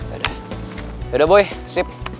yaudah yaudah boy sip